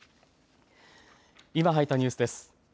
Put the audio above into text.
今入ったニュースです。